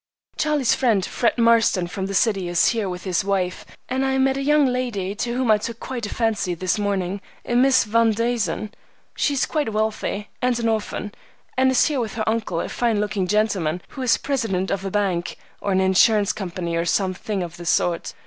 Charlie's friend, Fred Marston, from the city, is here with his wife; and I met a young lady to whom I took quite a fancy this morning, a Miss Van Duzen. She is quite wealthy, and an orphan, and is here with her uncle, a fine looking gentleman, who is president of a bank, or an insurance company, or some thing of the sort.